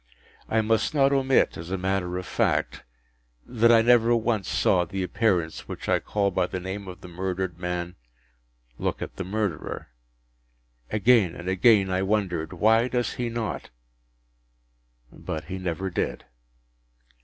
I must not omit, as a matter of fact, that I never once saw the Appearance which I call by the name of the murdered man look at the Murderer. Again and again I wondered, “Why does he not?” But he never did.